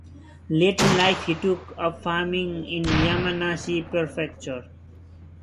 Late in life, he took up farming in Yamanashi Prefecture.